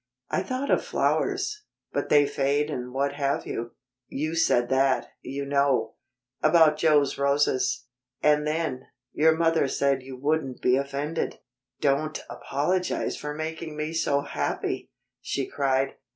I thought of flowers but they fade and what have you? You said that, you know, about Joe's roses. And then, your mother said you wouldn't be offended " "Don't apologize for making me so happy!" she cried.